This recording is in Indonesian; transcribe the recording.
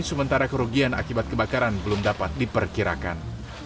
sementara kerugian akibat kebakaran belum dapat diperkirakan